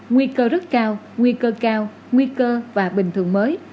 nguy cơ rất cao nguy cơ cao nguy cơ và bình thường mới